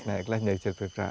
naik kelas yang silver perak